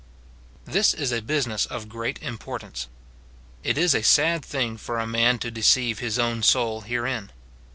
This is a business of great importance. It is a sad thing for a man to deceive his own soul herein.